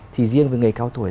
thì riêng với người cao tuổi